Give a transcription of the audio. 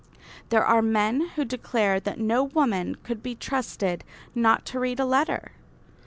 There are men who declare that no woman could be trusted not to read a letter.